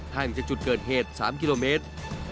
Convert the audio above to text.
ห่างจากจุดเกิดเหตุ๓กิโลเมตร